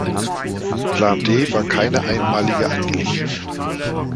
Plan D war keine einmalige Angelegenheit.